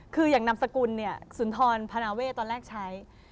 คืออย่างนามสกุลเนี่ยสุนทรพนาเวทตอนแรกใช้